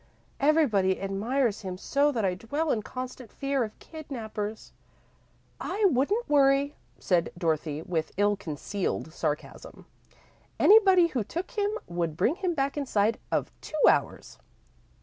Everybody admires him so that I dwell in constant fear of kidnappers." "I wouldn't worry," said Dorothy, with ill concealed sarcasm. "Anybody who took him would bring him back inside of two hours."